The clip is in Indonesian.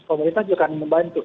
pemerintah juga akan membantu